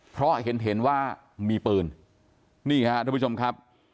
เพราะเห็นว่ามีปืนนี่ครับทุกผู้ชมครับ